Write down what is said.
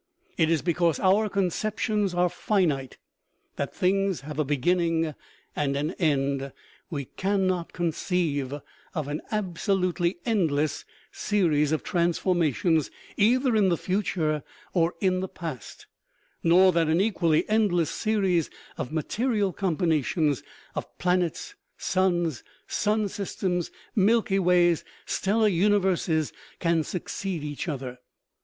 It is because our conceptions are finite, that things have a beginning and an end. We cannot conceive of an abso lutely endless series of transformations, either in the future or in the past, nor that an equally endless series of mate rial combinations, of planets, suns, sun systems, milky ways, stellar universes, can succeed each other.